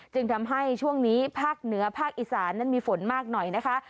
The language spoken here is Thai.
จึงทำให้ช่วงนี้ภาคเหนือภาคอีสานนั้นมีฝนมากหน่อยนะคะ